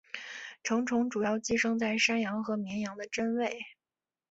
成虫主要寄生在山羊和绵羊的真胃。